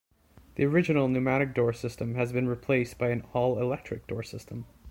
The original pneumatic door system has been replaced by an all-electric door system.